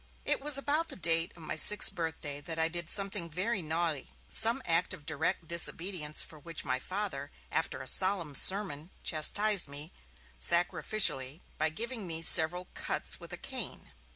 It was about the date of my sixth birthday that I did something very naughty, some act of direct disobedience, for which my Father, after a solemn sermon, chastised me, sacrificially, by giving me several cuts with a cane.